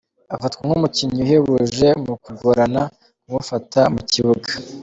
Afatwa nk'umukinnyi uhebuje mu kugorana kumufata mu kibuga.